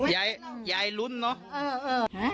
ยายรุ้นนะ